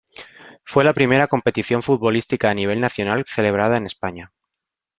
Fue la primera competición futbolística a nivel nacional celebrada en España.